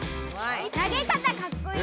なげ方かっこいい！